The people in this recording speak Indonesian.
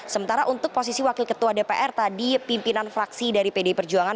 sementara untuk posisi wakil ketua dpr tadi pimpinan fraksi dari pdi perjuangan